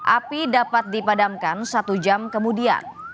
api dapat dipadamkan satu jam kemudian